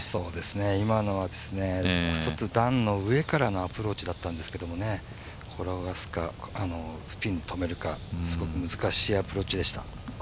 今のは段の上からのアプローチだったんですけど、転がすか、スピンでとめるか難しいアプローチでした。